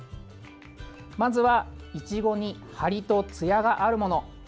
まずは、いちごにハリとツヤがあるもの。